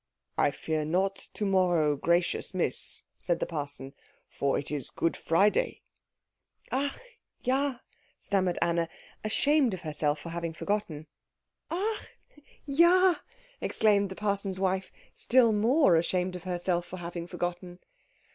"I fear not to morrow, gracious Miss," said the parson, "for it is Good Friday." "Ach ja," stammered Anna, ashamed of herself for having forgotten. "Ach ja," exclaimed the parson's wife, still more ashamed of herself for having forgotten.